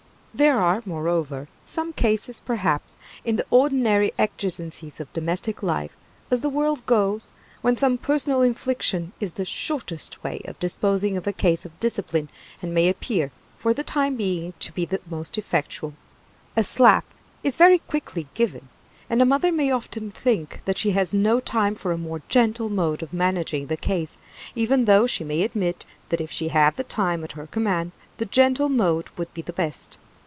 There are, moreover, some cases, perhaps, in the ordinary exigencies of domestic life, as the world goes, when some personal infliction is the shortest way of disposing of a case of discipline, and may appear, for the time being, to be the most effectual. A slap is very quickly given, and a mother may often think that she has not time for a more gentle mode of managing the case, even though she may admit that if she had the time at her command the gentle mode would be the best.